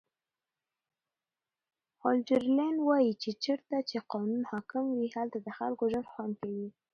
هولډرلین وایي چې چیرته چې قانون حاکم وي هلته د خلکو ژوند خوندي وي.